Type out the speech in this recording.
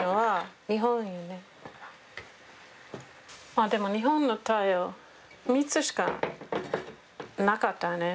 まあでも日本のタイル３つしかなかったね